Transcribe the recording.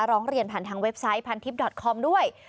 ร้องเรียนผ่านทางเว็บไซต์พันทิพย์ดอตคอมด้วย